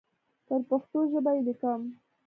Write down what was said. پر پښتو ژبه یې لیکم.